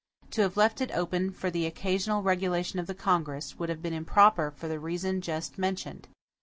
To have left it open for the occasional regulation of the Congress, would have been improper for the reason just mentioned.